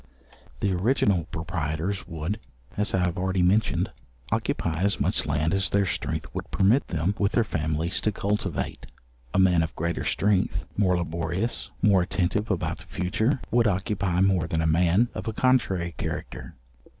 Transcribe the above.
The original proprietors would (as I have already mentioned) occupy as much land as their strength would permit them with their families to cultivate. A man of greater strength, more laborious, more attentive about the future, would occupy more than a man of a contrary character.